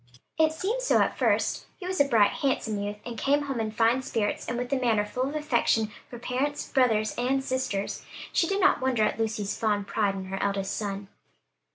It seemed so at first. He was a bright, handsome youth, and came home in fine spirits, and with a manner full of affection for parents, brothers and sisters. She did not wonder at Lucy's fond pride in her eldest son.